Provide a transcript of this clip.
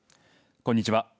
こんにちは。